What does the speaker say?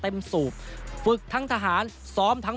เตรียมป้องกันแชมป์ที่ไทยรัฐไฟล์นี้โดยเฉพาะ